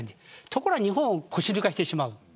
ところが日本は腰を抜かしてしまう。